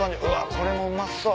これもうまそう。